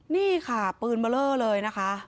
นี่ค่ะปืนเบอร์เลอร์เลยนะคะ